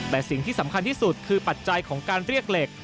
แต่สิ่งที่สำคัญที่สุดคือปัจจัยของการเรียกเหล็ก